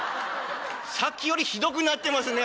「さっきよりひどくなってますね